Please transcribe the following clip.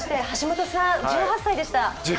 橋本さん、１８歳でした。